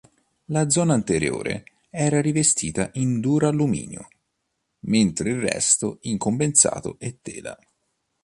La zona anteriore era rivestita in duralluminio, mentre il resto in compensato e tela.